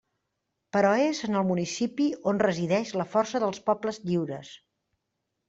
Però és en el municipi on resideix la força dels pobles lliures.